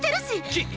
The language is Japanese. きっ！